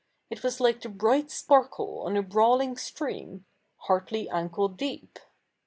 It was like the bright sparkle on a brawling strea7n, hardly ankle deep.